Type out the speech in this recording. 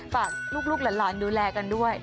ฝากลูกหลานดูแลกันด้วย